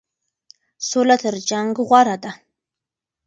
سوله تر جنګ غوره ده.